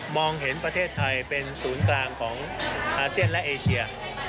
เห็นประเทศไทยเป็นศูนย์กลางของอาเซียนและเอเชีย